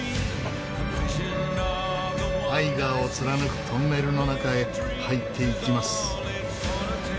アイガーを貫くトンネルの中へ入っていきます。